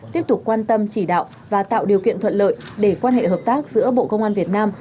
tiếp tục quan tâm chỉ đạo và tạo điều kiện thuận lợi để quan hệ hợp tác giữa bộ công an việt nam